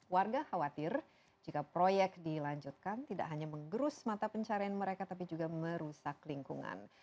warga khawatir jika proyek dilanjutkan tidak hanya mengerus mata pencarian mereka tapi juga merusak lingkungan